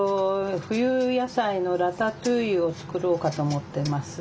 冬野菜のラタトゥイユを作ろうかと思ってます。